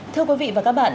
thưa quý vị và các bạn